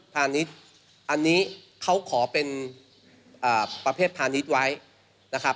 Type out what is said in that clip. อันนี้เขาขอเป็นประเภทพาณิชย์ไว้นะครับ